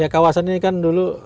kawasan ini kan dulu